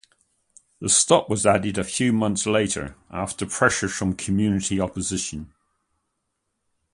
The stop was added a few months later after pressure from community opposition.